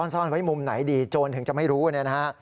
ซ่อนไว้มุมไหนดีโจรถึงจะไม่รู้เนี่ยนะฮะ